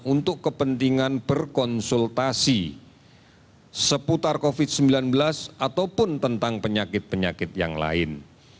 untuk kepentingan berkonsultasi seputar covid sembilan belas ataupun tentang penyakit penyakit yang lain